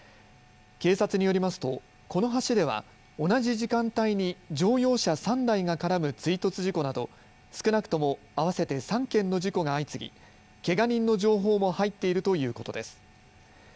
警察によりますとこの橋では同じ時間帯に乗用車３台が絡む追突事故など、少なくとも合わせて３件の事故が相次ぎけが人の情報も入っているということです。